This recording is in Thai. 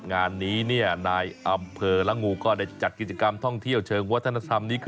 งานนี้นายอำเภอละงูก็ได้จัดกิจกรรมท่องเที่ยวเชิงวัฒนธรรมนี้